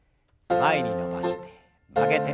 前に伸ばして曲げて。